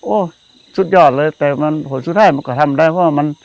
โอ้โหสุดยอดเลยแต่มันผลสุดท้ายมันก็ทำได้เพราะว่ามัน